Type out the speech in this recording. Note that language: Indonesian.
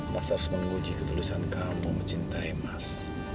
mas harus menguji ketulusan kamu mencintai mas